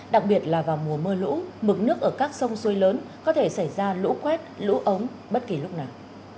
đặc biệt là vào mùa mưa lũ mực nước ở các sông suối lớn có thể xảy ra lũ quét lũ ống bất kỳ lúc nào